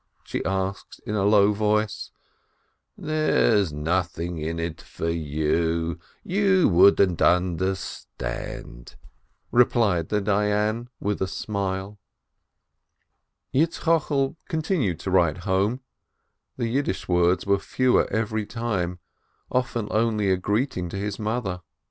she asked in a low voice. "There is nothing in it for you, you wouldn't under stand," replied the Dayan, with a smile. Yitzchokel continued to write home, the Yiddish words were fewer every time, often only a greeting to his mother.